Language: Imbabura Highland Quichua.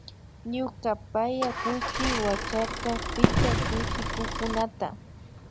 Ñuka paya kuchi wacharka picha kuchikukunata